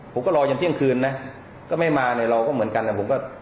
ผมก็รอจนเที่ยงคืนนะก็ไม่มาเนี่ยเราก็เหมือนกันนะผมก็